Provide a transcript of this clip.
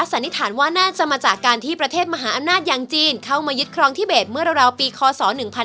สันนิษฐานว่าน่าจะมาจากการที่ประเทศมหาอำนาจอย่างจีนเข้ามายึดครองที่เบสเมื่อราวปีคศ๑๕